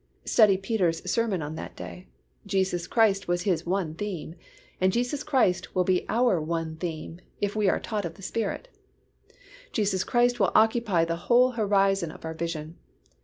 Study Peter's sermon on that day; Jesus Christ was his one theme, and Jesus Christ will be our one theme, if we are taught of the Spirit; Jesus Christ will occupy the whole horizon of our vision.